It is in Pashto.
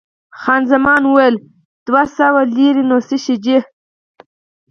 خان زمان وویل، دوه سوه لیرې نو څه شی دي؟